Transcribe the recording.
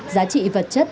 giá trị vật chất